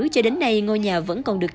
cho đến nay ngôi nhà vẫn còn được